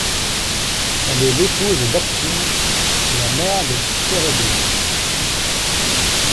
Elle est l'épouse d'Abtine et la mère de Fereydoun.